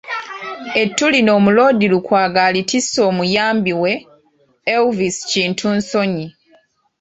Ettu lino Omuloodi Lukwago alitise omuyambi we, Elvis Kintu Nsonyi